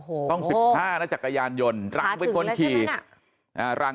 โอ้โหต้อง๑๕นะจักรยานยนต์รังเป็นคนขี่ถาถึงแล้วใช่ไหมนะ